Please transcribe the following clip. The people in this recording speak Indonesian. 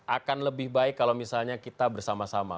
akan lebih baik kalau misalnya kita bersama sama